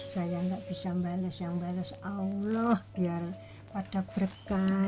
saya nggak bisa bales yang bales allah biar pada berkah